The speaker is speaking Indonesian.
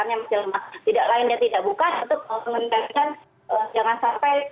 untuk pemerintah jangan sampai